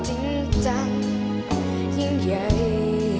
จริงจังยิ่งใหญ่